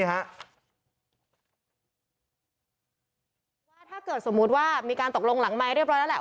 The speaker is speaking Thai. ถ้าเกิดสมมุติว่ามีการตกลงหลังไม้เรียบร้อยแล้วแหละ